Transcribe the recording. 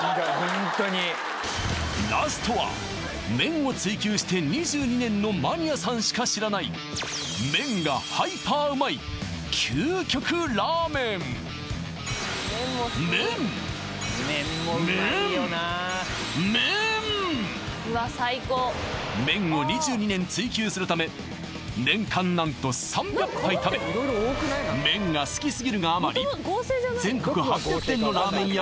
ラストは麺を追求して２２年のマニアさんしか知らない麺がハイパーうまい究極ラーメン麺を２２年追求するため年間何と３００杯食べ全国８００店のラーメン屋